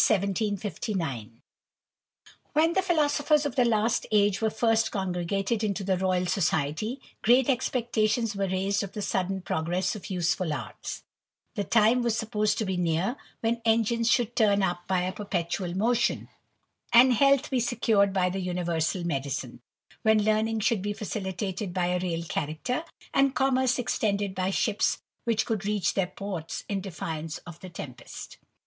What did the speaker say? T 17 HEN the philosophers of the last age were ^rst ^^ congregated into the Royal Society, great expecta tions were raised of the sudden progress of useful arts; the time was supposed to be near, when engines should turn by a perpetual motion, and health be secured by the universal medicine; when learning should be facilitated by a real character, and commerce extended by ships which could reach their ports in defiance of the tempest. THE IDLER.